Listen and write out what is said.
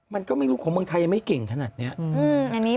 มันก็ไม่รู้ของเมืองไทยยังไม่เก่งขนาดนี้